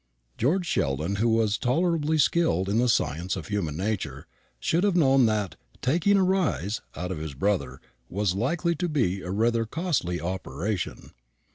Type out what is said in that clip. George Sheldon, who was tolerably skilled in the science of human nature, should have known that "taking a rise" out of his brother was likely to be a rather costly operation.